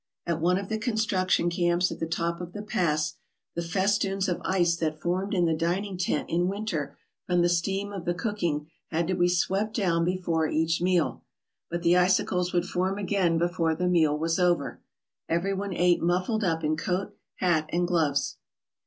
At one of the construction camps at the top of the pass the festoons of ice that formed in the dining tent in winter from the steam of the cooking had to be swept 107 ALASKA OUR NORTHERN WONDERLAND down before each meal. But the icicles would form again before the meal was over. Everyone ate muffled up in coat, hat, and gloves.